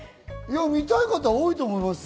見たい方、多いと思いますよ。